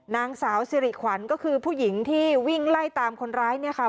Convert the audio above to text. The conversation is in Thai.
นางสาวสิริขวัญก็คือผู้หญิงที่วิ่งไล่ตามคนร้ายเนี่ยค่ะ